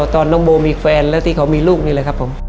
ตอนน้องโบมีแฟนแล้วที่เขามีลูกนี่แหละครับผม